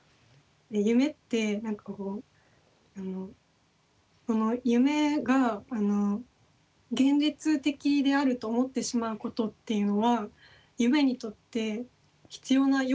夢って何かこう夢が現実的であると思ってしまうことっていうのは夢にとって必要な要素なんでしょうか？